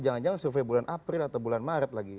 jangan jangan survei bulan april atau bulan maret lagi